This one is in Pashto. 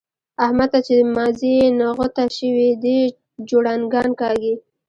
احمد ته چې مازي نغوته شوي؛ دی جوړنګان کاږي.